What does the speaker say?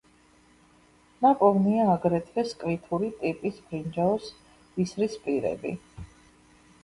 ნაპოვნია აგრეთვე სკვითური ტიპის ბრინჯაოს ისრისპირები.